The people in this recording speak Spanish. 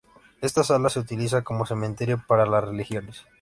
Esta sala se utiliza como cementerio para las religiosas.